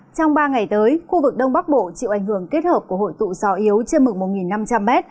trong ba ngày tới khu vực đông bắc bộ chịu ảnh hưởng kết hợp của hội tụ gió yếu trên mực một năm trăm linh m